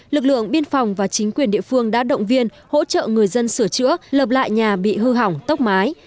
lực lượng biên phòng và chính quyền địa phương đã động viên hỗ trợ người dân sửa chữa lợp lại nhà bị hư hỏng tốc mái